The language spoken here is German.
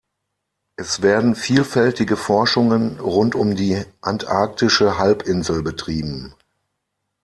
Es werden vielfältige Forschungen rund um die Antarktische Halbinsel betrieben.